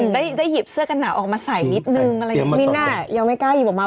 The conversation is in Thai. ได้หยิบเสื้อกันหนาวออกมาใสนิดหนึ่งมิน่ายังไม่กล้าหยิบออกมา